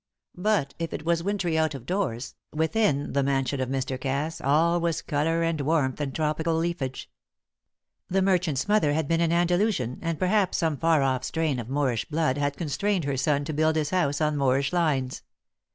But if it was wintry out of doors, within the mansion of Mr. Cass all was colour and warmth and tropical leafage. The merchant's mother had been an Andalusian, and perhaps some far off strain of Moorish blood had constrained her son to build his house on Moorish lines.